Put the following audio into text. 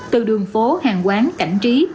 từ đường phố hàng quán cảnh trí